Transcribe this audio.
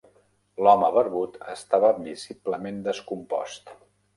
L'home barbut estava visiblement descompost.